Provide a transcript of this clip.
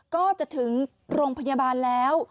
ก็จะถึงโรงพยาบาลแล้ว